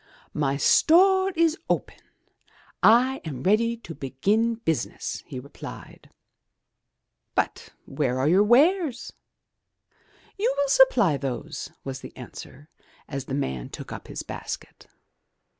*' '*My store is open; I am ready to begin business," he replied. *'But where are your wares?'' '*You will supply those," was the answer, as the man took up his basket.